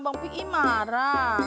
bang p i marah